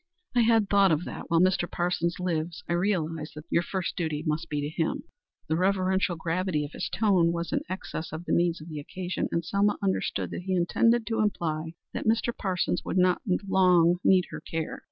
"I had thought of that. While Mr. Parsons lives, I realize that your first duty must be to him." The reverential gravity of his tone was in excess of the needs of the occasion, and Selma understood that he intended to imply that Mr. Parsons would not long need her care.